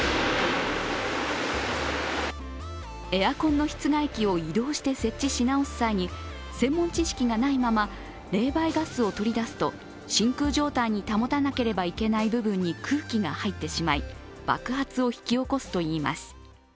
エアコンの室外機を移動して設置し直す際に専門知識がないまま冷媒ガスを取り出すと真空状態に保たなければいけない部分に空気が入ってしまい爆発を引き起こすといいます。